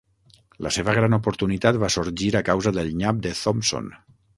La seva gran oportunitat va sorgir a causa del nyap de Thompson.